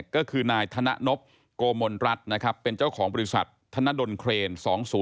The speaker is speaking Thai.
ก็คือนายธนะนบโกมนรัฐเป็นเจ้าของบริษัทธนะดนเครน๒๐๑๒